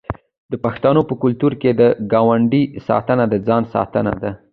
د پښتنو په کلتور کې د ګاونډي ساتنه د ځان ساتنه ده.